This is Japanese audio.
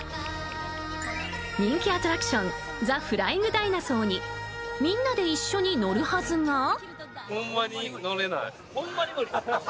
人気アトラクションザ・フライング・ダイナソーにみんなで一緒に乗るはずが。